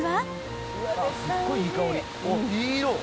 すっごいいい香り。